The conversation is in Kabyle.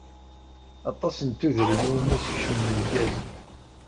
Aṭas n tudrin i wumi skecmen lgaz.